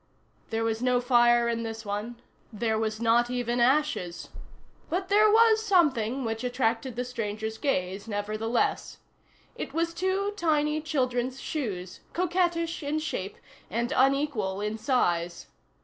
There was no fire in this one, there was not even ashes; but there was something which attracted the stranger's gaze, nevertheless. It was two tiny children's shoes, coquettish in shape and unequal in size.